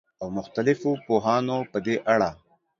او مختلفو پوهانو په دې اړه